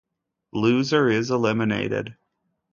Loser is eliminated.